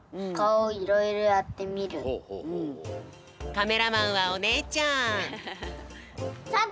カメラマンはおねえちゃん。